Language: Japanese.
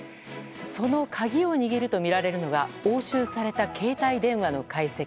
その鍵を握るとみられるのが押収された携帯電話の解析。